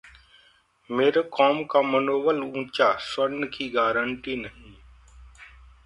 मैरोकॉम का मनोबल ऊंचा, स्वर्ण की गारंटी नहीं